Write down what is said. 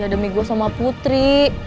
ya demi gue sama putri